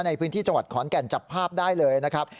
ในพื้นที่จังหวัดขอนแก่นจับภาพได้เลยนะครับ